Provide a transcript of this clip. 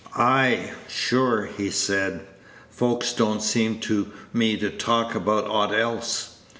"Ay, sure," he said, "folks don't seem to me to talk about aught else.